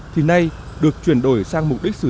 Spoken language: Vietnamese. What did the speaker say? thì nay được chuyển đổi sang mục đích sử dụng